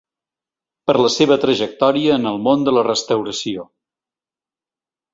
Per la seva trajectòria en el món de la restauració.